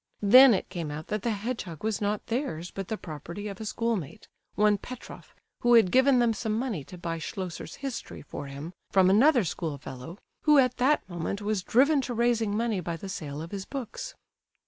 Then it came out that the hedgehog was not theirs, but the property of a schoolmate, one Petroff, who had given them some money to buy Schlosser's History for him, from another schoolfellow who at that moment was driven to raising money by the sale of his books.